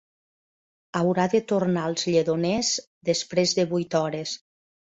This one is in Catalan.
Haurà de tornar als Lledoners després de vuit hores